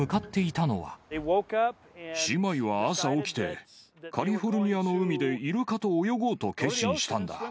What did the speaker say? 姉妹は朝起きて、カリフォルニアの海でイルカと泳ごうと決心したんだ。